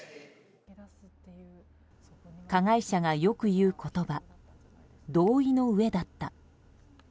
加害者がよく言う言葉同意のうえだった。